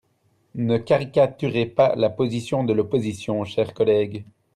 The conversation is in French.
Ne caricaturez pas la position de l’opposition, chère collègue.